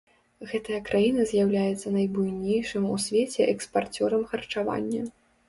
Гэтая краіна з'яўляецца найбуйнейшым у свеце экспарцёрам харчавання.